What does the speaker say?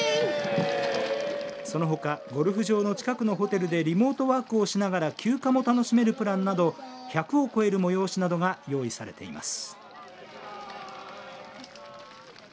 そのほか、ゴルフ場の近くのホテルでリモートワークをしながら休暇も楽しめるプランなど１００を超える催しなどが用意されています。